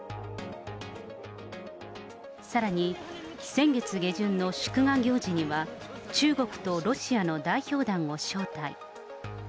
さらに先月下旬の祝賀行事には、中国とロシアの代表団を招待。